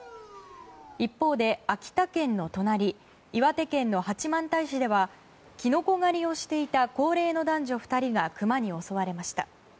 一方で秋田県の隣岩手県の八幡平市ではキノコ狩りをしていた高齢の男女２人がクマに襲われました。